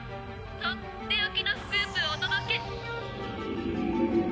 「とっておきのスクープをお届け！」